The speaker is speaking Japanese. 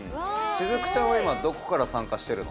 しずくちゃんは今どこから参加してるの？